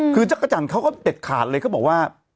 คือจักรจันทร์เขาก็เด็ดขาดเลยเขาบอกว่า